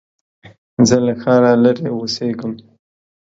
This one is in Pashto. زه له ښاره لرې اوسېږم.